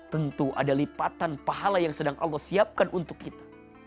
tentu ada lipatan pahala yang sedang allah siapkan untuk kita